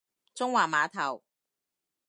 中環碼頭